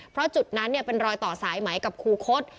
เพราะจุดนั้นเป็นรอยต่อสายไหมกับครูคต